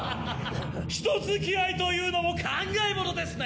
人づきあいというのも考えものですね！